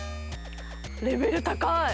レベル高い。